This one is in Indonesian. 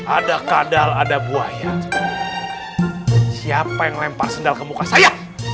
ada kadal ada buaya siapa yang lempar sendal ke muka saya